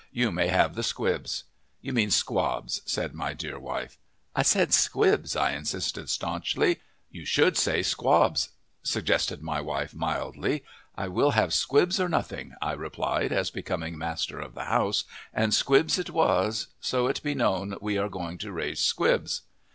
You may have the squibs." "You mean squabs," said my wife. "I said squibs," I insisted stanchly. "You should say squabs," suggested my wife mildly. "I will have squibs or nothing," I replied, as becoming master of the house, and squibs it was. So be it known, we are going to raise squibs.